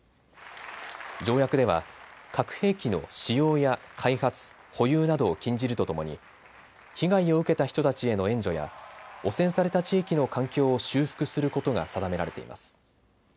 条約では核兵器の使用や開発、保有などを禁じるとともに被害を受けた人たちへの援助や汚染された地域の環境を修復することが定められています。